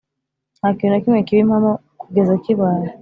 ntakintu na kimwe kiba impamo kugeza kibaye